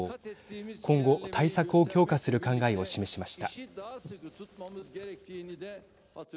今後、対策を強化する考えを示しました。